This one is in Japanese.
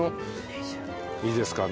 いいですか？